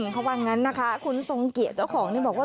เขาว่างั้นนะคะคุณทรงเกียจเจ้าของนี่บอกว่า